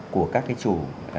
của các cái chủ